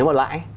nếu mà lãi